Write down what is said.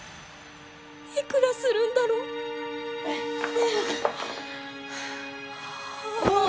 いくらするんだろう？はあ。